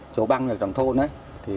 chỗ băng này trong thôn ấy